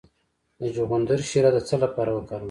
د چغندر شیره د څه لپاره وکاروم؟